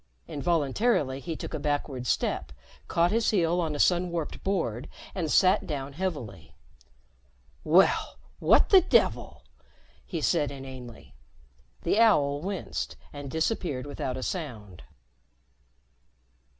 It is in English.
Involuntarily he took a backward step, caught his heel on a sun warped board and sat down heavily. "Well, what the devil!" he said inanely. The owl winced and disappeared without a sound.